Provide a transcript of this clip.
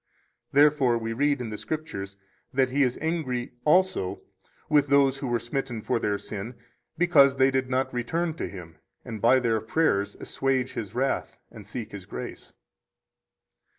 Therefore we read in the Scriptures that He is angry also with those who were smitten for their sin, because they did not return to Him and by their prayers assuage His wrath and seek His grace.